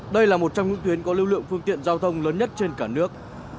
đây là một trong những tuyến có lưu lượng phương tiện giao thông lớn nhất trên cả nước